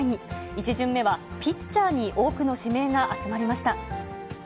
１巡目はピッチャーに多くの指名が集まりました。